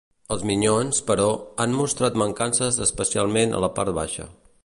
Els Minyons, però, han mostrat mancances especialment a la part baixa.